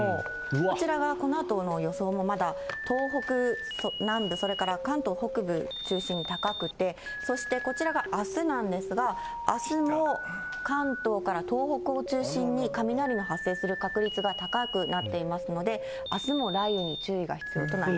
こちらがこのあとの予想も、まだ、東北南部、それから関東北部中心に高くて、そしてこちらがあすなんですが、あすも関東から東北を中心に、雷の発生する確率が高くなっていますので、あすも雷雨に注意が必要となります。